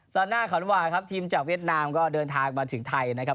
ซาน่าขันวาครับทีมจากเวียดนามก็เดินทางมาถึงไทยนะครับ